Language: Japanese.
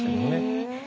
へえ。